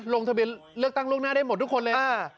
ลงทะเบียนเลือกตั้งล่วงหน้าได้หมดทุกคนเลย